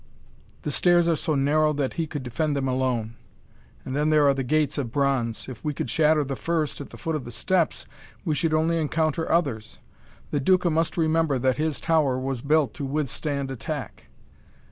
The stairs are so narrow that he could defend them alone. And then there are the gates of bronze. If we could shatter the first, at the foot of the steps, we should only encounter others. The Duca must remember that his tower was built to withstand attack."